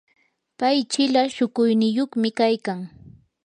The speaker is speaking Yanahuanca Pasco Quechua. pay chila shukuyniyuqmi kaykan.